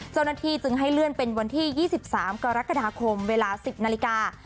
เจ้าหน้าที่จึงให้เลื่อนเป็นวันที่๒๓กรกฎาคมเวลา๑๐นาฬิกา